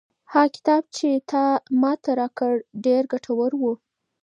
هغه کتاب چې تا ماته راکړ ډېر ګټور و.